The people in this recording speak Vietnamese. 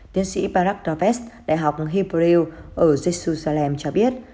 tiến sĩ barak toves đại học hebrew ở jerusalem cho biết